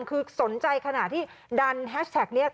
คือสนใจขนาดที่ดันแฮชแท็กเนี่ย